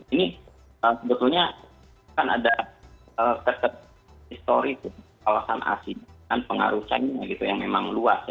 ini sebetulnya kan ada keterkisori di kawasan asia pengaruh china yang memang luas ya